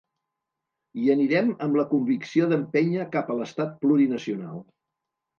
Hi anirem amb la convicció d’empènyer cap a l’estat plurinacional.